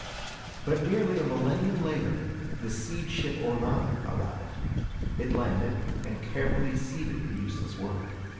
But nearly a millennium later, the Seed Ship Orana arrived. It landed and carefully seeded the useless world.